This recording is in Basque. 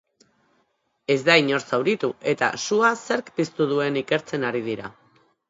Ez da inor zauritu eta sua zerk piztu duen ikertzen ari dira.